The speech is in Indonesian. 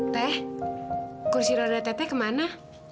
teh kursi roda ott kemana